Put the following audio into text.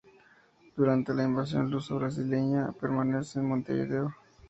Durante la Invasión Luso-Brasileña permanece en Montevideo.